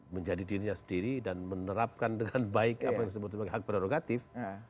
menjadi dirinya sendiri dan menerapkan dengan baik apa yang disebut sebagai hak prerogatif